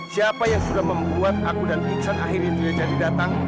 siapa yang sudah membuat aku dan pingsan akhirnya jadi datang